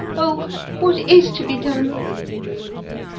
Oh, what is to be done